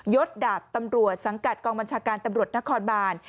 ศดาบตำรวจสังกัดกองบัญชาการตำรวจนครบาน